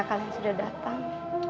kalian sudah datang